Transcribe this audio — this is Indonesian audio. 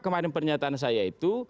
kemarin pernyataan saya itu